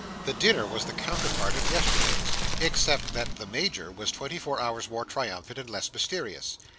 The dinner was the counterpart of yesterday's, except that the Major was twenty four hours more triumphant and less mysterious.